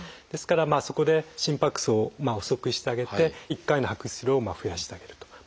ですからそこで心拍数を遅くしてあげて１回の拍出量を増やしてあげると。